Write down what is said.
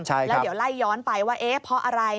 แล้วเดี๋ยวไล่ย้อนไปว่าเอ๊ะเพราะอะไร